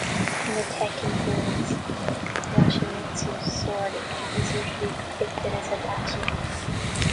In the "Tekken" series, Yoshimitsu's sword is usually depicted as a tachi.